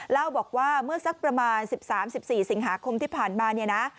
เล่าบอกว่าเมื่อสักประมาณ๑๓๑๔สิงหาคมที่ผ่านมาเนี่ยนะ